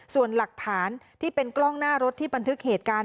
ส่วนหลักฐานที่เป็นกล้องหน้ารถที่บันทึกเหตุการณ์